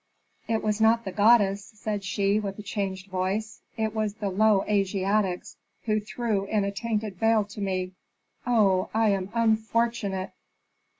"It was not the goddess!" said she, with a changed voice. "It was the low Asiatics, who threw in a tainted veil to me. Oh, I am unfortunate!"